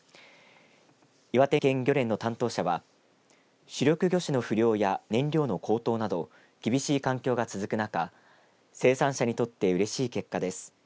岩手県漁連の担当者は主力魚種の不良や燃料の高騰など厳しい環境が続く中生産者にとってうれしい結果です。